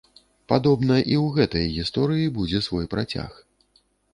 Падобна, і ў гэтай гісторыі будзе свой працяг.